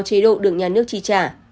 chế độ được nhà nước trì trả